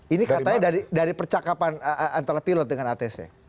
ini katanya dari percakapan antara pilot dengan atc